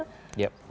yang baru dipastikan